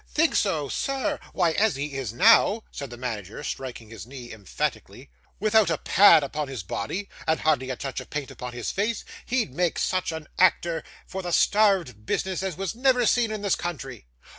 'Think so, sir! Why, as he is now,' said the manager, striking his knee emphatically; 'without a pad upon his body, and hardly a touch of paint upon his face, he'd make such an actor for the starved business as was never seen in this country.